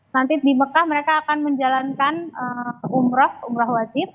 nanti di mekah mereka akan menjalankan umroh umroh wajib